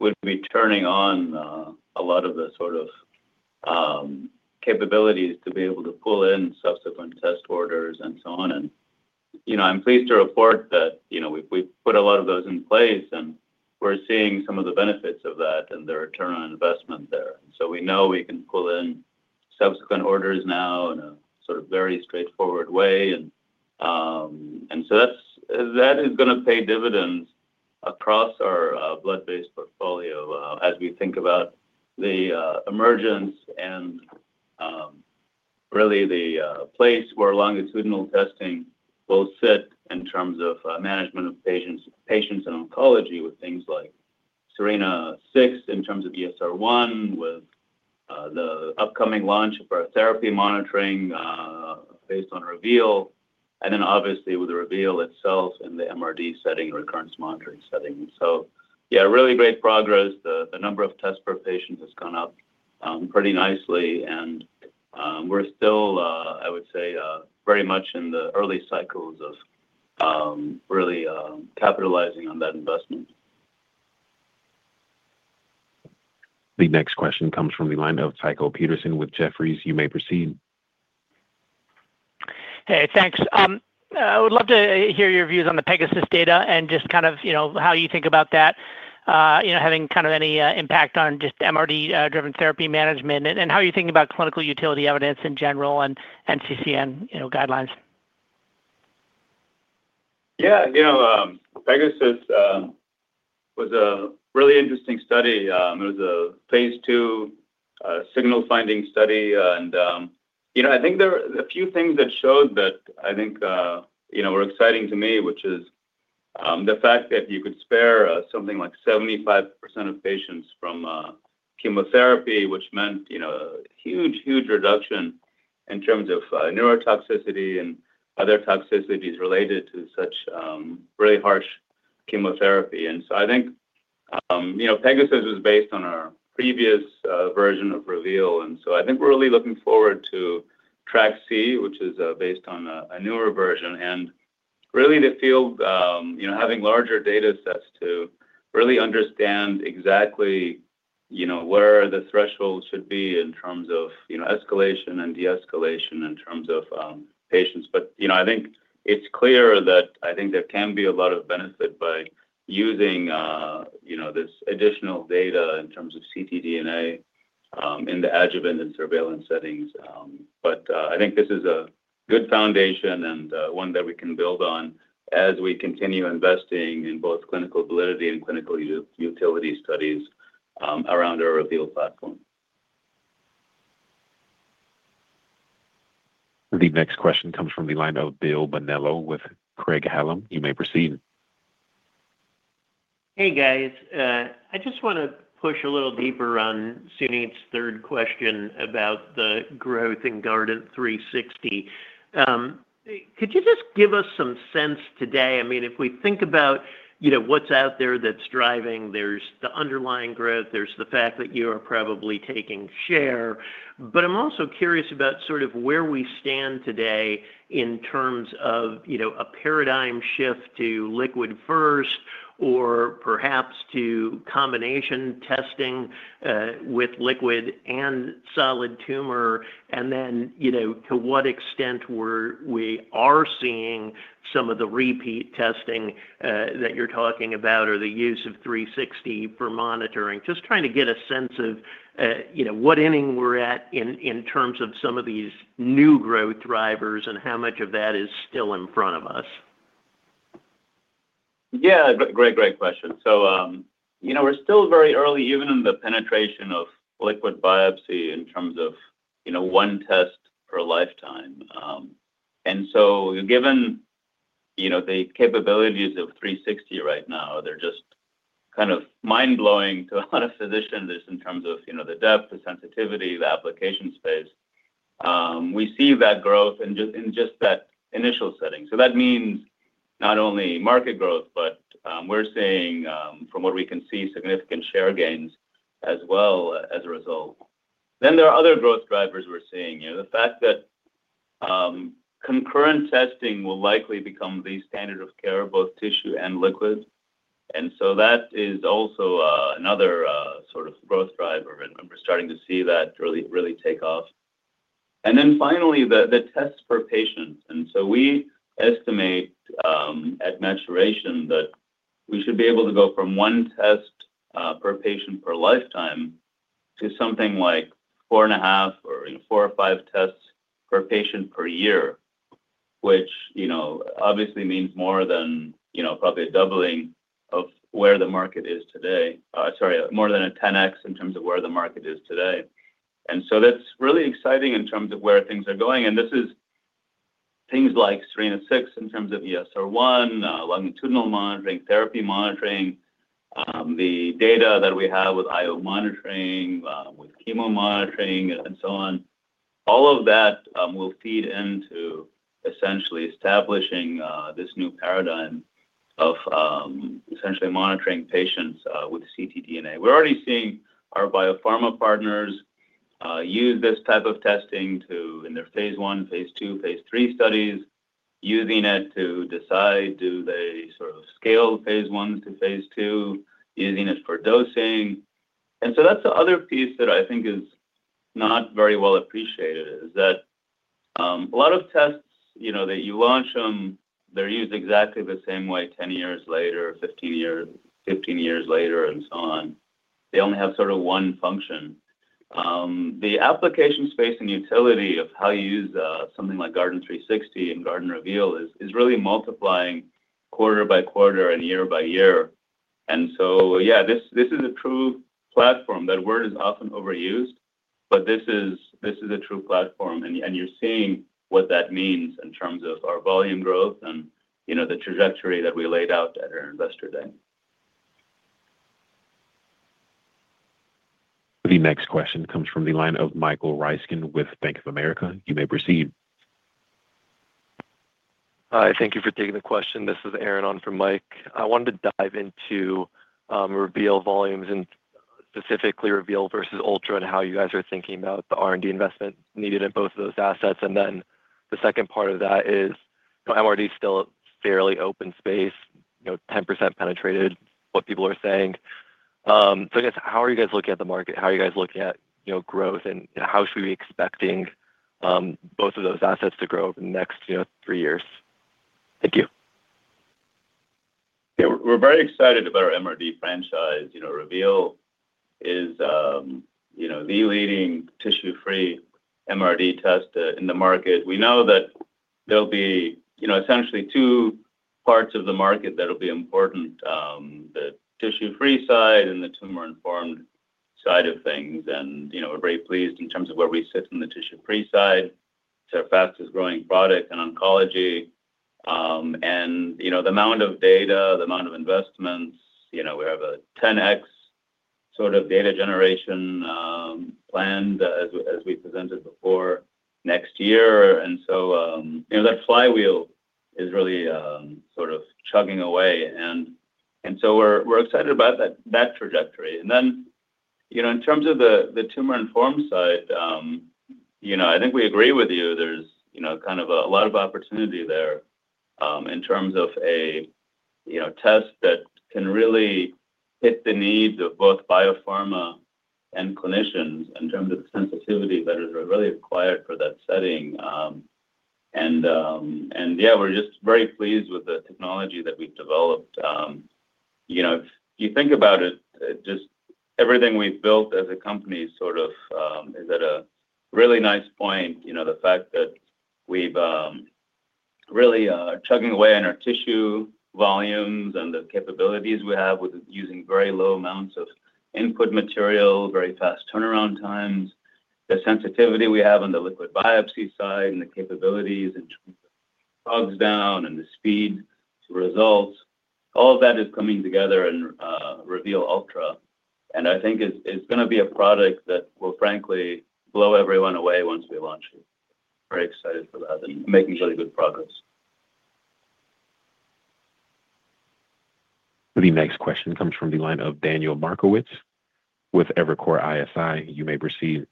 we'd be turning on a lot of the sort of capabilities to be able to pull in subsequent test orders and so on. I'm pleased to report that we've put a lot of those in place and we're seeing some of the benefits of that and the return on investment there. We know we can pull in subsequent orders now in a very straightforward way. That is going to pay dividends across our blood-based portfolio as we think about the emergence and really the place where longitudinal testing will sit in terms of management of patients in oncology with things like Serena 6 in terms of ESR1, with the upcoming launch of our therapy monitoring based on Reveal, and obviously with the Reveal itself in the MRD setting, recurrence monitoring setting. Really great progress. The number of tests per patient has gone up pretty nicely. We're still, I would say, very much in the early cycles of really capitalizing on that investment. The next question comes from the line of Tycho Peterson with Jefferies. You may proceed. Hey, thanks. I would love to hear your views on the Pegasus data and just kind of how you think about that, you know, having kind of any impact on just MRD-driven therapy management and how you think about clinical utility evidence in general and NCCN guidelines. Yeah, you know, Pegasus was a really interesting study. It was a phase two signal-finding study. I think there are a few things that showed that I think were exciting to me, which is the fact that you could spare something like 75% of patients from chemotherapy, which meant a huge, huge reduction in terms of neurotoxicity and other toxicities related to such really harsh chemotherapy. I think Pegasus was based on our previous version of Reveal. I think we're really looking forward to Track C, which is based on a newer version. Really the field, you know, having larger data sets to really understand exactly where the threshold should be in terms of escalation and de-escalation in terms of patients. I think it's clear that I think there can be a lot of benefit by using this additional data in terms of ctDNA in the adjuvant and surveillance settings. I think this is a good foundation and one that we can build on as we continue investing in both clinical validity and clinical utility studies around our Reveal platform. The next question comes from the line of Bill Bonello with Craig Hallum. You may proceed. Hey, guys. I just want to push a little deeper on Sunit's third question about the growth in Guardant360. Could you just give us some sense today? I mean, if we think about, you know, what's out there that's driving, there's the underlying growth, there's the fact that you are probably taking share. I'm also curious about sort of where we stand today in terms of, you know, a paradigm shift to liquid first or perhaps to combination testing with liquid and solid tumor. To what extent are we seeing some of the repeat testing that you're talking about or the use of 360 for monitoring? Just trying to get a sense of, you know, what inning we're at in terms of some of these new growth drivers and how much of that is still in front of us. Great question. We're still very early, even in the penetration of liquid biopsy in terms of one test per lifetime. Given the capabilities of Guardant360 right now, they're just kind of mind-blowing to a lot of physicians in terms of the depth, the sensitivity, the application space. We see that growth in just that initial setting. That means not only market growth, but we're seeing, from what we can see, significant share gains as well as a result. There are other growth drivers we're seeing. The fact that concurrent testing will likely become the standard of care, both tissue and liquid, is also another sort of growth driver, and we're starting to see that really take off. Finally, the tests per patient. We estimate at maturation that we should be able to go from one test per patient per lifetime to something like 4.5 or 4 or 5 tests per patient per year, which obviously means more than, probably a doubling of where the market is today. Sorry, more than a 10x in terms of where the market is today. That's really exciting in terms of where things are going. This is things like Serena 6 in terms of ESR1, longitudinal monitoring, therapy monitoring, the data that we have with IO monitoring, with chemo monitoring, and so on. All of that will feed into essentially establishing this new paradigm of essentially monitoring patients with ctDNA. We're already seeing our biopharma partners use this type of testing in their phase one, phase two, phase three studies, using it to decide, do they sort of scale phase ones to phase two, using it for dosing. That's the other piece that I think is not very well appreciated, is that a lot of tests, you launch them, they're used exactly the same way 10 years later, 15 years later, and so on. They only have sort of one function. The application space and utility of how you use something like Guardant360 and Guardant Reveal is really multiplying quarter by quarter and year by year. This is a true platform. That word is often overused, but this is a true platform. You're seeing what that means in terms of our volume growth and the trajectory that we laid out at our investor day. The next question comes from the line of Michael Reiskin with BofA Securities. You may proceed. Hi, thank you for taking the question. This is Aaron on for Mike. I wanted to dive into Reveal volumes and specifically Reveal versus Ultra and how you guys are thinking about the R&D investment needed in both of those assets. The second part of that is, you know, MRD is still a fairly open space, you know, 10% penetrated, what people are saying. I guess how are you guys looking at the market? How are you guys looking at, you know, growth and how should we be expecting both of those assets to grow over the next, you know, three years? Thank you. Yeah, we're very excited about our MRD franchise. Reveal is the leading tissue-free MRD test in the market. We know that there'll be essentially two parts of the market that'll be important: the tissue-free side and the tumor-informed side of things. We're very pleased in terms of where we sit on the tissue-free side. It's our fastest growing product in oncology. The amount of data, the amount of investments, we have a 10x sort of data generation planned as we presented before next year. That flywheel is really sort of chugging away. We're excited about that trajectory. In terms of the tumor-informed side, I think we agree with you. There's kind of a lot of opportunity there in terms of a test that can really hit the needs of both biopharma and clinicians in terms of the sensitivity that is really required for that setting. We're just very pleased with the technology that we've developed. If you think about it, just everything we've built as a company is at a really nice point. The fact that we're really chugging away on our tissue volumes and the capabilities we have with using very low amounts of input material, very fast turnaround times, the sensitivity we have on the liquid biopsy side, and the capabilities in terms of bogs down and the speed to results, all of that is coming together in Reveal Ultra. I think it's going to be a product that will frankly blow everyone away once we launch it. We're excited for that and making really good progress. The next question comes from the line of Daniel Markowitz with Evercore ISI. You may proceed.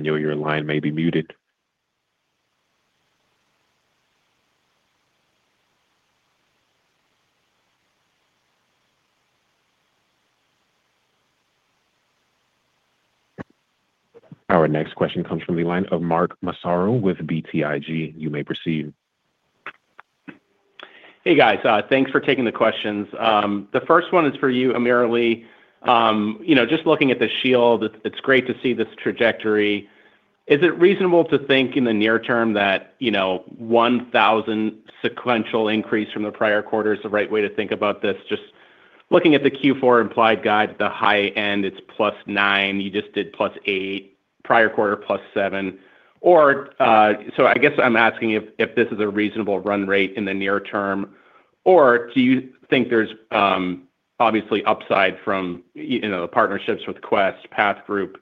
Daniel, your line may be muted. Our next question comes from the line of Mark Massaro with BTIG. You may proceed. Hey, guys. Thanks for taking the questions. The first one is for you, AmirAli. Just looking at the Shield, it's great to see this trajectory. Is it reasonable to think in the near term that 1,000 sequential increase from the prior quarter is the right way to think about this? Just looking at the Q4 implied guide at the high end, it's plus nine. You just did plus eight. Prior quarter, plus seven. I guess I'm asking if this is a reasonable run rate in the near term, or do you think there's obviously upside from the partnerships with Quest Diagnostics, Path Group,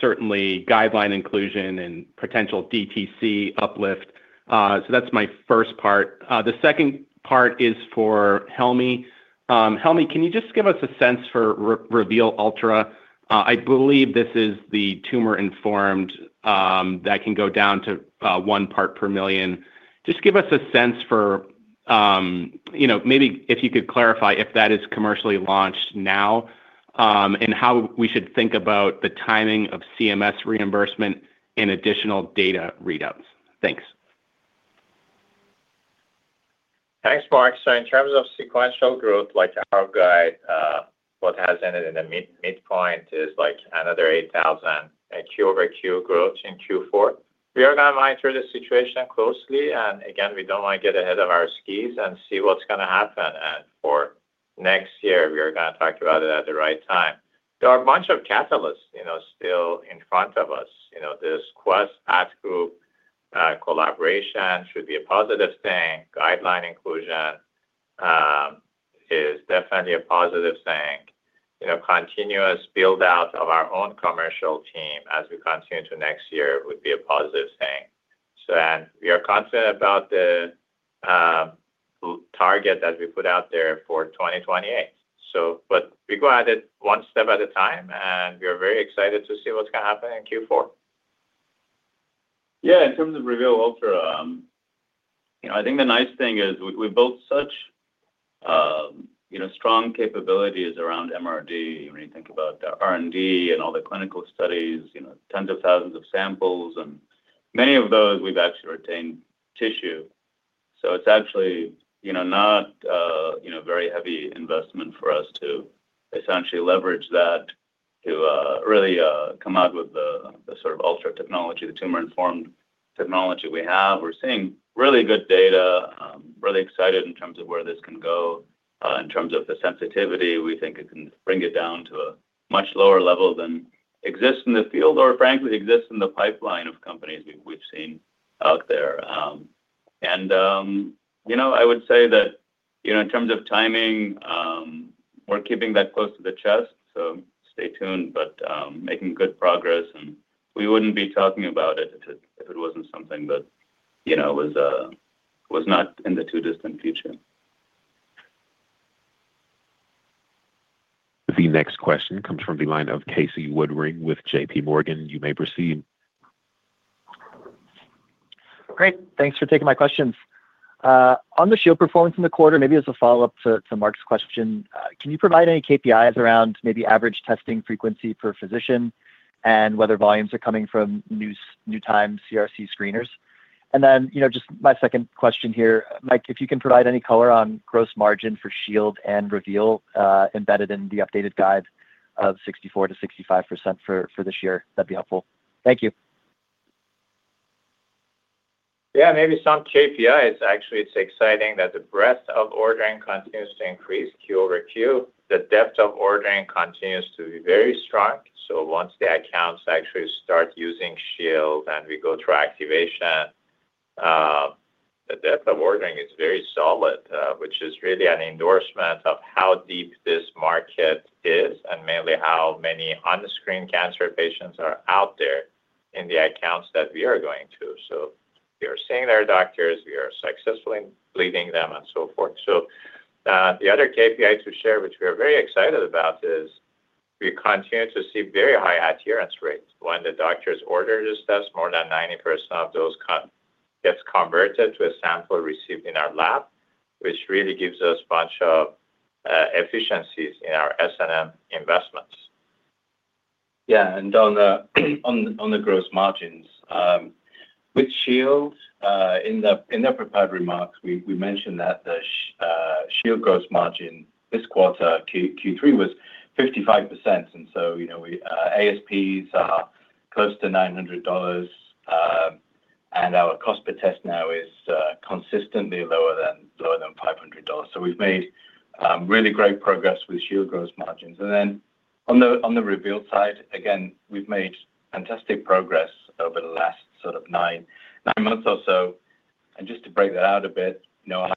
certainly guideline inclusion and potential DTC uplift? That's my first part. The second part is for Helmy. Helmy, can you just give us a sense for Reveal Ultra? I believe this is the tumor-informed that can go down to one part per million. Just give us a sense for maybe if you could clarify if that is commercially launched now and how we should think about the timing of CMS reimbursement and additional data readouts. Thanks. Thanks, Mark. In terms of sequential growth, like our guide, what has ended in the midpoint is like another 8,000 Q over Q growth in Q4. We are going to monitor the situation closely. We don't want to get ahead of our skis and see what's going to happen. For next year, we are going to talk about it at the right time. There are a bunch of catalysts still in front of us. This Quest Diagnostics Path Group collaboration should be a positive thing. Guideline inclusion is definitely a positive thing. Continuous build-out of our own commercial team as we continue to next year would be a positive thing. We are confident about the target that we put out there for 2028. We go at it one step at a time, and we are very excited to see what's going to happen in Q4. Yeah, in terms of Reveal Ultra, I think the nice thing is we built such strong capabilities around MRD. When you think about the R&D and all the clinical studies, tens of thousands of samples, and many of those we've actually retained tissue. It's actually not a very heavy investment for us to essentially leverage that to really come out with the sort of ultra technology, the tumor-informed technology we have. We're seeing really good data, really excited in terms of where this can go. In terms of the sensitivity, we think it can bring it down to a much lower level than exists in the field or frankly exists in the pipeline of companies we've seen out there. I would say that in terms of timing, we're keeping that close to the chest. Stay tuned, but making good progress. We wouldn't be talking about it if it wasn't something that was not in the too distant future. The next question comes from the line of Casey Woodring with J.P. Morgan. You may proceed. Great. Thanks for taking my questions. On the Shield performance in the quarter, maybe as a follow-up to Mark's question, can you provide any KPIs around maybe average testing frequency per physician and whether volumes are coming from new time CRC screeners? My second question here, Mike, if you can provide any color on gross margin for Shield and Reveal embedded in the updated guide of 64%-65% for this year, that'd be helpful. Thank you. Yeah, maybe some KPIs. Actually, it's exciting that the breadth of ordering continues to increase Q over Q. The depth of ordering continues to be very strong. Once the accounts actually start using Shield and we go through activation, the depth of ordering is very solid, which is really an endorsement of how deep this market is and mainly how many unscreened cancer patients are out there in the accounts that we are going to. We are seeing their doctors, we are successfully leading them and so forth. The other KPI to share, which we are very excited about, is we continue to see very high adherence rates. When the doctors order this test, more than 90% of those get converted to a sample received in our lab, which really gives us a bunch of efficiencies in our SNM investments. Yeah, and on the gross margins, with Shield, in the prepared remarks, we mentioned that the Shield gross margin this quarter, Q3, was 55%. ASPs are close to $900, and our cost per test now is consistently lower than $500. We've made really great progress with Shield gross margins. On the Reveal side, we've made fantastic progress over the last sort of nine months or so. Just to break that out a bit,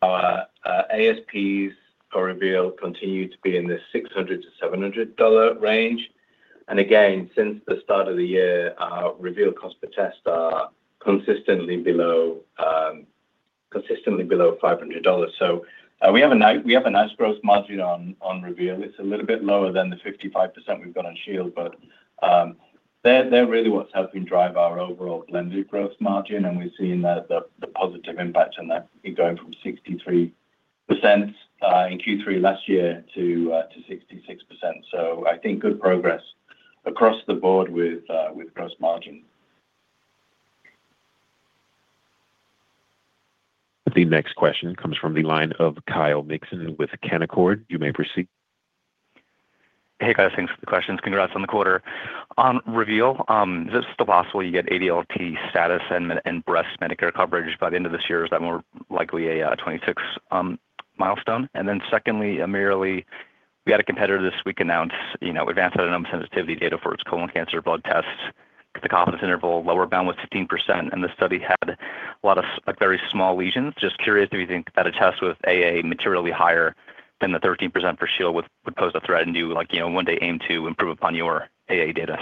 our ASPs for Reveal continue to be in the $600-$700 range. Since the start of the year, our Reveal cost per test is consistently below $500. We have a nice gross margin on Reveal. It's a little bit lower than the 55% we've got on Shield, but they're really what's helping drive our overall blended gross margin. We've seen the positive impact on that going from 63% in Q3 last year to 66%. I think good progress across the board with gross margins. The next question comes from the line of Kyle Mikson with Canaccord Genuity. You may proceed. Hey, guys. Thanks for the questions. Congrats on the quarter. On Reveal, is it still possible you get ADLT status and breast Medicare coverage by the end of this year? Is that more likely a 2026 milestone? Secondly, AmirAli, we had a competitor this week announce advanced autonomous sensitivity data for its colon cancer blood tests. The confidence interval lower bound was 15%, and the study had a lot of very small lesions. Just curious if you think that a test with AA materially higher than the 13% for Shield would pose a threat and you, like, you know, one day aim to improve upon your AA data.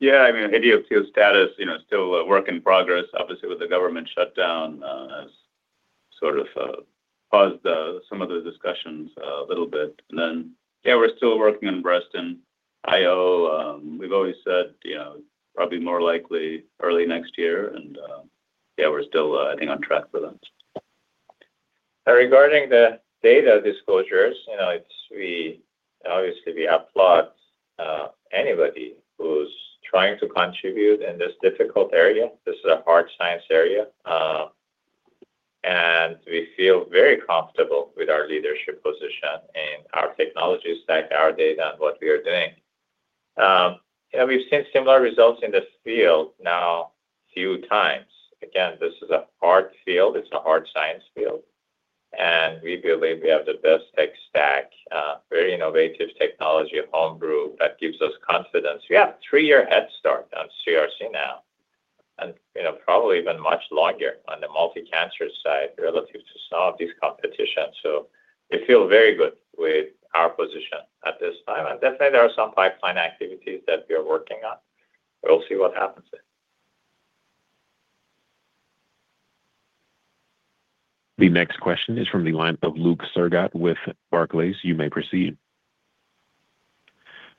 Yeah, I mean, ADLT status is still a work in progress. Obviously, with the government shutdown, it's sort of paused some of those discussions a little bit. We're still working on breast and IO. We've always said, you know, probably more likely early next year, and we're still, I think, on track for that. Regarding the data disclosures, obviously, we applaud anybody who's trying to contribute in this difficult area. This is a hard science area, and we feel very comfortable with our leadership position in our technology stack, our data, and what we are doing. We've seen similar results in this field now a few times. This is a hard field, it's a hard science field, and we believe we have the best tech stack, very innovative technology homebrew that gives us confidence. We have a three-year head start on CRC now, and probably even much longer on the multicancer side relative to some of these competitions. We feel very good with our position at this time. Definitely, there are some pipeline activities that we are working on. We'll see what happens there. The next question is from the line of Luke Sergott with Barclays. You may proceed.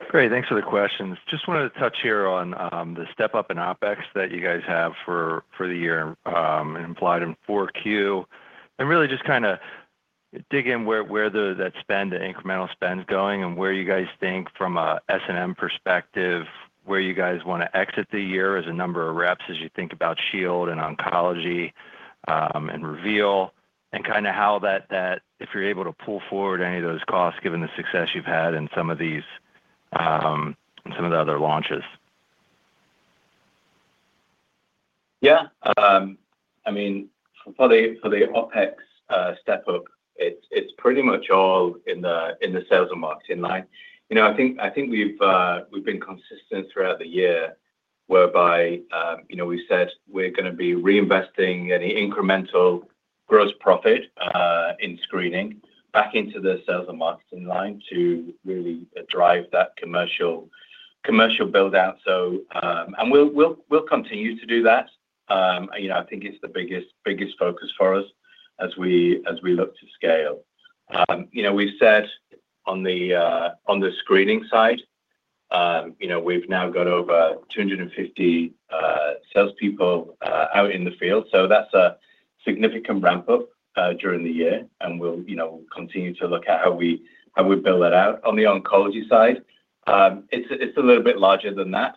Great. Thanks for the questions. Just wanted to touch here on the step-up in OpEx that you guys have for the year and implied in 4Q. Really just kind of dig in where that spend, incremental spend is going and where you guys think from an S&M perspective, where you guys want to exit the year as a number of reps as you think about Shield and oncology and Reveal and kind of how that, if you're able to pull forward any of those costs given the success you've had in some of these and some of the other launches. Yeah. I mean, for the OpEx step-up, it's pretty much all in the sales and marketing line. I think we've been consistent throughout the year whereby we've said we're going to be reinvesting any incremental gross profit in screening back into the sales and marketing line to really drive that commercial build-out. We'll continue to do that. I think it's the biggest focus for us as we look to scale. We've said on the screening side, we've now got over 250 salespeople out in the field. That's a significant ramp up during the year. We'll continue to look at how we build that out. On the oncology side, it's a little bit larger than that.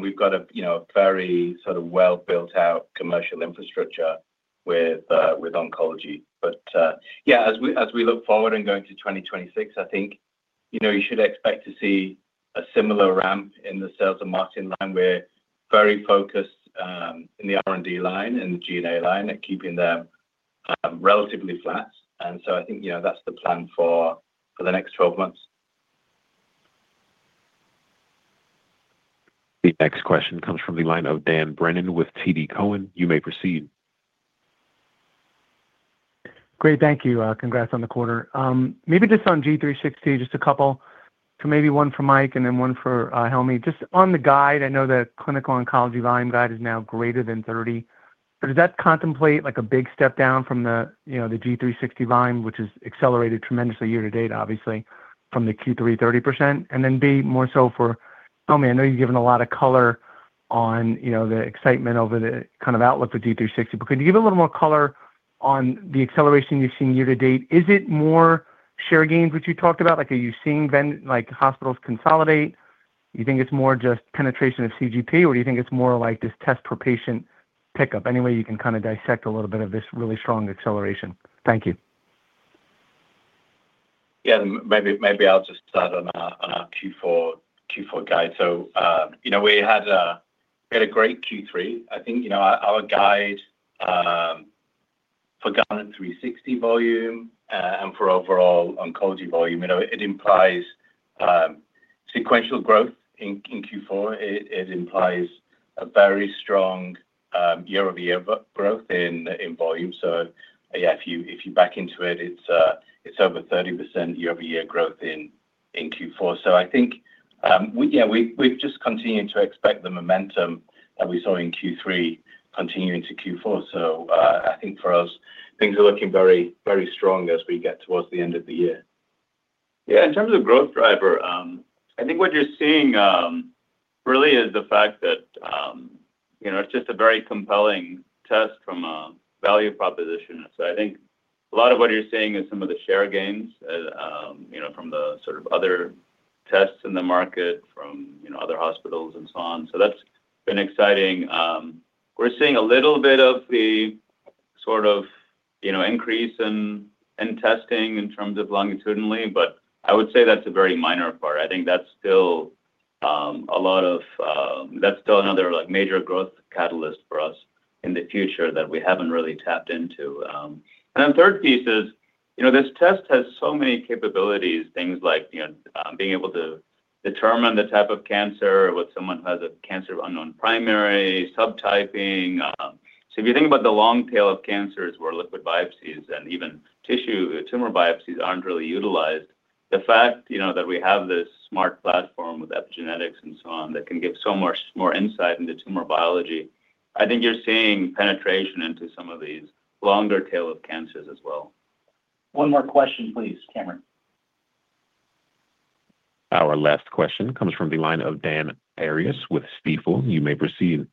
We've got a very sort of well-built-out commercial infrastructure with oncology. As we look forward and go into 2026, I think you should expect to see a similar ramp in the sales and marketing line. We're very focused in the R&D line and the G&A line at keeping them relatively flat. I think that's the plan for the next 12 months. The next question comes from the line of Dan Brennan with TD Cowen. You may proceed. Great. Thank you. Congrats on the quarter. Maybe just on Guardant360, just a couple. Maybe one for Mike and then one for Helmy. On the guide, I know the clinical oncology volume guide is now greater than 30. Does that contemplate a big step down from the, you know, the Guardant360 volume, which has accelerated tremendously year to date, obviously, from the Q3 30%? More so for Helmy, I know you've given a lot of color on the excitement over the kind of outlook for Guardant360, but could you give a little more color on the acceleration you've seen year to date? Is it more share gains, which you talked about? Are you seeing hospitals consolidate? Do you think it's more just penetration of CGP, or do you think it's more like this test per patient pickup? Any way you can kind of dissect a little bit of this really strong acceleration? Thank you. Maybe I'll just start on our Q4 guide. We had a great Q3. I think our guide for Guardant360 volume and for overall oncology volume implies sequential growth in Q4. It implies a very strong year-over-year growth in volume. If you back into it, it's over 30% year-over-year growth in Q4. I think we've just continued to expect the momentum that we saw in Q3 continuing to Q4. I think for us, things are looking very, very strong as we get towards the end of the year. Yeah, in terms of growth driver, I think what you're seeing really is the fact that it's just a very compelling test from a value proposition. I think a lot of what you're seeing is some of the share gains from the sort of other tests in the market, from other hospitals and so on. That's been exciting. We're seeing a little bit of the sort of increase in testing in terms of longitudinally, but I would say that's a very minor part. I think that's still another major growth catalyst for us in the future that we haven't really tapped into. The third piece is, this test has so many capabilities, things like being able to determine the type of cancer, what someone who has a cancer of unknown primary, subtyping. If you think about the long tail of cancers where liquid biopsies and even tissue tumor biopsies aren't really utilized, the fact that we have this smart platform with epigenetics and so on that can give so much more insight into tumor biology, I think you're seeing penetration into some of these longer tail of cancers as well. One more question, please, Cameron. Our last question comes from the line of Dan Arias with Stifel. You may proceed.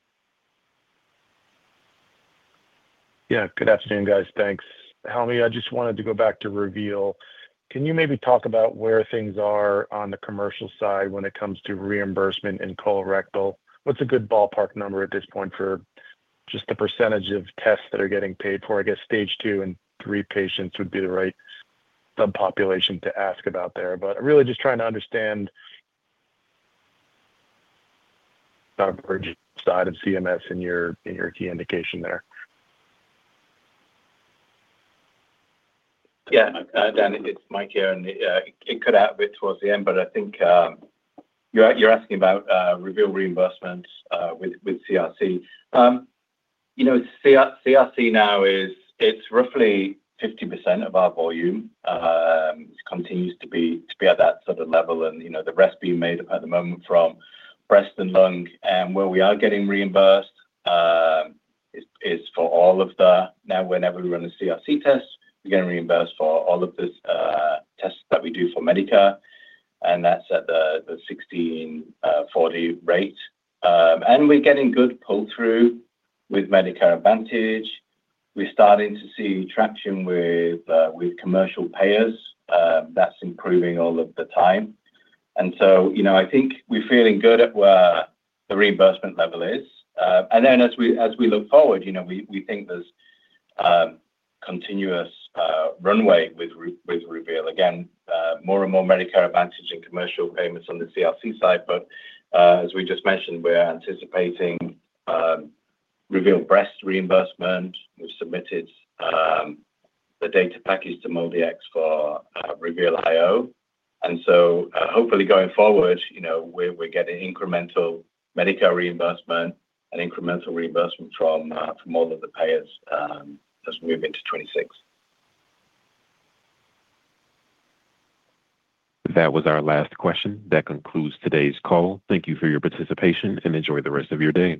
Yeah, good afternoon, guys. Thanks. Helmy, I just wanted to go back to Reveal. Can you maybe talk about where things are on the commercial side when it comes to reimbursement and colorectal? What's a good ballpark number at this point for just the percentage of tests that are getting paid for? I guess stage two and three patients would be the right subpopulation to ask about there. I'm really just trying to understand the emerging side of CMS in your key indication there. Yeah, again, it's Mike here, and it cut out a bit towards the end, but I think you're asking about Reveal reimbursements with CRC. CRC now is roughly 50% of our volume. It continues to be at that sort of level, the rest being made up at the moment from breast and lung. Where we are getting reimbursed is for all of the, now whenever we run a CRC test, we're getting reimbursed for all of the tests that we do for Medicare, and that's at the $1,640 rate. We're getting good pull-through with Medicare Advantage. We're starting to see traction with commercial payers. That's improving all of the time. I think we're feeling good at where the reimbursement level is. As we look forward, we think there's continuous runway with Reveal, more and more Medicare Advantage and commercial payments on the CRC side. As we just mentioned, we're anticipating Reveal breast reimbursement. We've submitted the data package to MolDx for Reveal IO, and hopefully going forward, we're getting incremental Medicare reimbursement and incremental reimbursement from all of the payers as we move into 2026. That was our last question. That concludes today's call. Thank you for your participation and enjoy the rest of your day.